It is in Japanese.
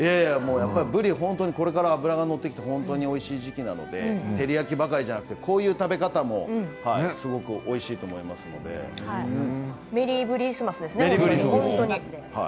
ぶりはこれから脂が乗っておいしい時期なので照り焼きばかりじゃなくてこういう食べ方もおいしいと本当にメリーブリスマスですね。